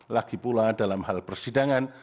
lagi pula dalam hal persidangan